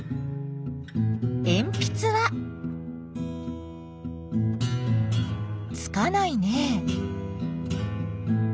えんぴつはつかないね。